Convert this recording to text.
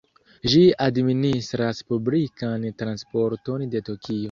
Ĝi administras publikan transporton de Tokio.